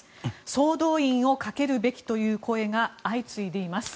総動員をかけるべきという声が相次いでいます。